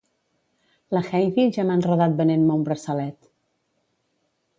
La Heidi ja m'ha enredat venent-me un braçalet